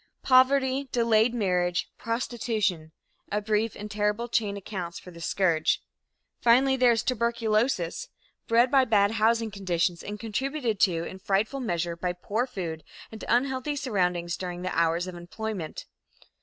Poverty, delayed marriage, prostitution a brief and terrible chain accounts for this scourge. Finally, there is tuberculosis, bred by bad housing conditions and contributed to in frightful measure by poor food and unhealthy surroundings during the hours of employment.